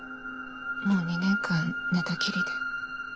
もう２年間寝たきりで。